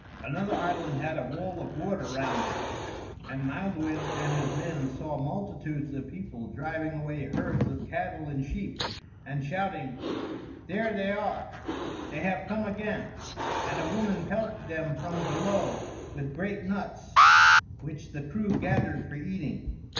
Another island had a wall of water round it, and Maelduin and his men saw multitudes of people driving away herds of cattle and sheep, and shouting, "There they are, they have come again;" and a woman pelted them from below with great nuts, which the crew gathered for eating.